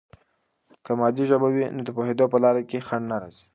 که مادي ژبه وي، نو د پوهیدو په لاره کې خنډ نه راځي.